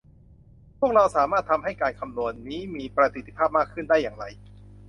พวกเราสามารถทำให้การคำนวณนี้มีประสิทธิภาพมากขึ้นได้อย่างไร